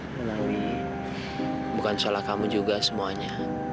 melawi bukan soal kamu juga semuanya